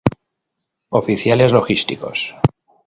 Oficiales logísticos.